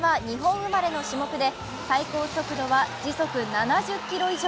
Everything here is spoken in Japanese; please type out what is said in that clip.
ケイリンは日本生まれの種目で最高速度は時速７０キロ以上。